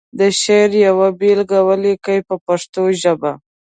د شعر یوه بېلګه ولیکي په پښتو ژبه.